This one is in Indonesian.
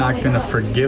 mereka terlalu berpikir